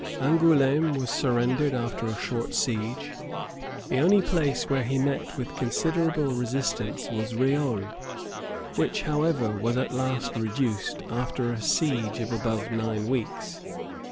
Angouleme was surrendered after a short siege. The only place where he met with considerable resistance, was Reole, which, however, was at last reduced, after a siege of above nine weeks.